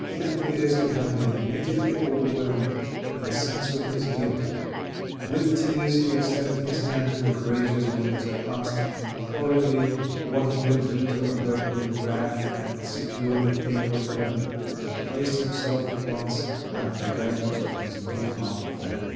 He appears to have been immediately overwhelmed with a sense of his guilt; with tears he extended his hand to the courageous monitor, asked imploringly what he could do to avert the wrath and secure the favor of Heaven, and placed himself at once under the guidance of his new found friend.